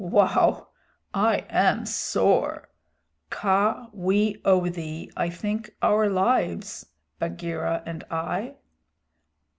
"Wow! I am sore. Kaa, we owe thee, I think, our lives Bagheera and I."